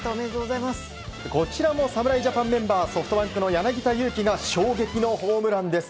こちらも侍ジャパンメンバーソフトバンクの柳田悠岐が衝撃のホームランです。